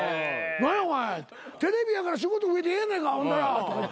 何やお前テレビやから仕事増えてええやないかアホンダラ。